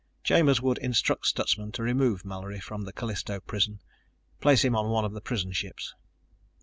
Chambers would instruct Stutsman to remove Mallory from the Callisto prison, place him on one of the prison ships.